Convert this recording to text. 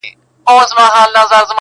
له ازل څخه یې لار نه وه میندلې-